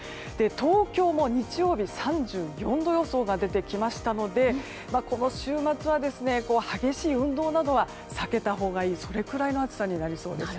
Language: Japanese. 東京も日曜日３４度予想が出てきましたのでこの週末は激しい運動などは避けたほうがいいそれくらいの暑さになりそうです。